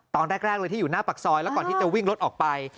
ตอนแรกเลยที่อยู่หน้าปากซอยแล้วก่อนที่จะวิ่งรถออกไป